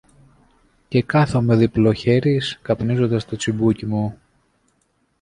Και κάθομαι διπλοχέρης, καπνίζοντας το τσιμπούκι μου